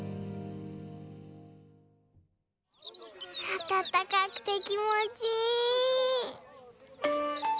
あたたかくてきもちいい。